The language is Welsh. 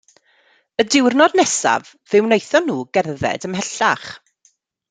Y diwrnod nesaf fe wnaethon nhw gerdded ymhellach.